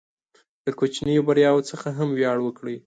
له کوچنیو بریاوو څخه هم ویاړ وکړئ.